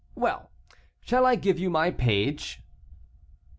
"Well! shall I give you my page?"